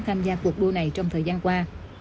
tham gia cuộc đua này trong thời gian qua